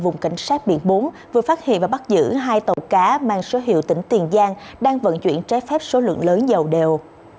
mang số hiệu tỉnh tiền giang đang vận chuyển trái phép số lượng lớn dầu đều